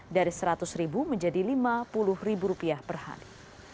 dari seratus ribu menjadi lima puluh per hari